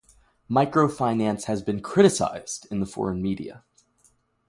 Microfinance has been criticized in the foreign media.